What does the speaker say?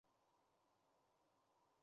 贡麝香。